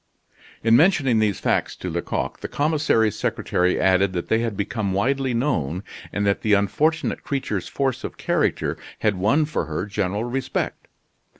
In mentioning these facts to Lecoq, the commissary's secretary added that they had become widely known, and that the unfortunate creature's force of character had won for her general respect.